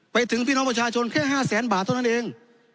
ไปถึงพี่น้องประชาชนแค่๕แสนบาทเท่านั้นเอง